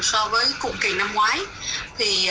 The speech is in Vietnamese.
so với cùng kỳ năm ngoái